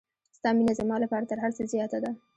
ستا مینه زما لپاره تر هر څه زیاته ده.